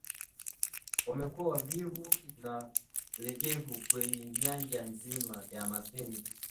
Wamekuwa wavivu na legevu kwenye nyanja nzima ya mapenzi